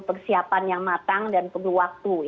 persiapan yang matang dan perlu waktu